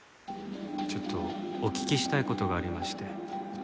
ちょっとお聞きしたい事がありまして。